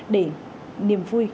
để niềm vui